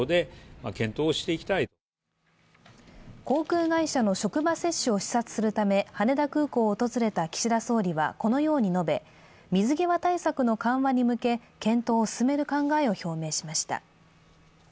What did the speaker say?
航空会社の職場接種を視察するため羽田空港を訪れた岸田総理はこのように述べ、水際対策の緩和に向け検討を進める考えを表明しました。